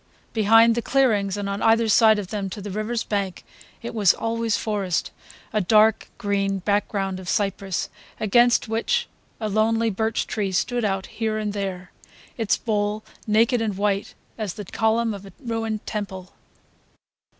Behind the clearings, and on either side of them to the river's bank, it was always forest: a dark green background of cypress against which a lonely birch tree stood out here and there, its bole naked and white as the column of a ruined temple.